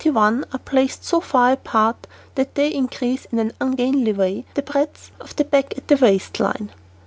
81 are placed so far apart that they increase in an ungainly way the breadth of the back at the waist line.